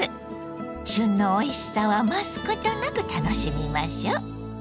旬のおいしさを余すことなく楽しみましょ。